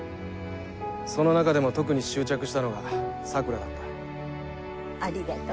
その中でも特に執着したのが桜だった。